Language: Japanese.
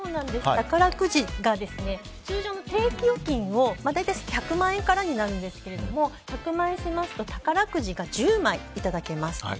宝くじが通常の定期預金を大体１００万円からになるんですが１００万円しますと宝くじが１０枚いただけます。